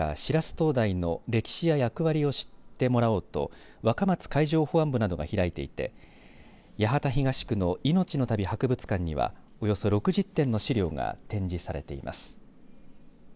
灯台の歴史や役割を知ってもらおうと若松海上保安部などが開いていて八幡東区のいのちのたび博物館にはおよそ６０点の資料が展示されています。